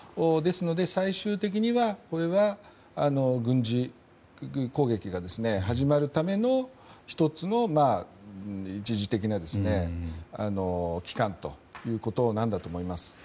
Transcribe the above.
ですので最終的にはこれは軍事攻撃が始まるための１つの一時的な期間ということなんだと思います。